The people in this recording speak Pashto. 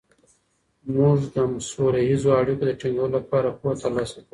موږ د سوله ییزو اړیکو د ټینګولو لپاره پوهه ترلاسه کوو.